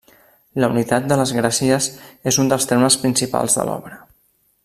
La unitat de les Gràcies és un dels temes principals de l'obra.